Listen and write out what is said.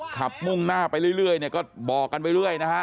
มุ่งหน้าไปเรื่อยเนี่ยก็บอกกันไปเรื่อยนะฮะ